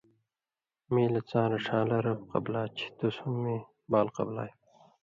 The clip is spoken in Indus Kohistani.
میں لہ څاں رڇھان٘لہ (رب) قبلا چھی؛ تُس ہُم میں بال قبلائ۔